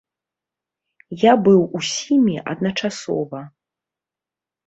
Я быў усімі адначасова.